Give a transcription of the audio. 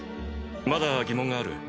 まだ疑問がある。